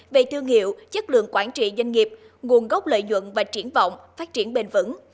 về thương hiệu chất lượng quản trị doanh nghiệp nguồn gốc lợi nhuận và triển vọng phát triển bền vững